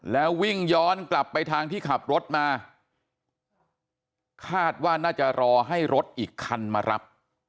แล้ววิ่งย้อนกลับไปทางที่ขับรถมาคาดว่าน่าจะรอให้รถอีกคันมารับ